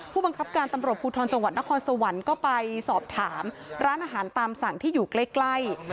ผู้บังคับการตำรวจภูทรจังหวัดนครสวรรค์ก็ไปสอบถามร้านอาหารตามสั่งที่อยู่ใกล้